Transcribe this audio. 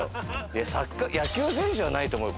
野球選手もないと思うよ。